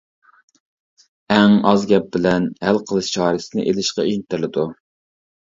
ئەڭ ئاز گەپ بىلەن ھەل قىلىش چارىسىنى ئېلىشقا ئىنتىلىدۇ.